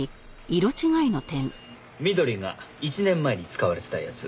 緑が１年前に使われてたやつ。